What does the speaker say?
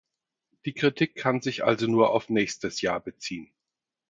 Die Kritik kann sich also nur auf nächstes Jahr beziehen.